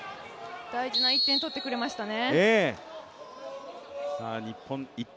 大事な１点を取ってくれましたね。